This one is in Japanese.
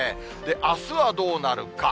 あすはどうなるか。